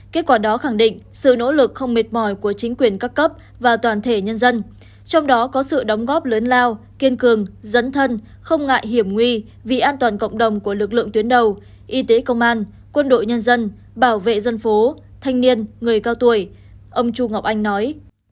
kết quả đó khẳng định sự nỗ lực không mệt mỏi của chính quyền các cấp và toàn thể nhân dân trong đó có sự đóng góp lớn lao kiên cường dẫn thân không ngại hiểm nguy vì an toàn cộng đồng của lực lượng tuyến đầu y tế công an quân đội nhân dân bảo vệ dân phố thanh niên người cao tuổi ông chu ngọc anh nói